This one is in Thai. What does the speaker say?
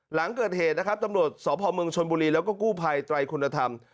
หลังเกิดเหตุนะครับตำรวจสพเมืองชนบุรีแล้วก็กู้ภัยไตรคุณธรรม